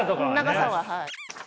長さははい。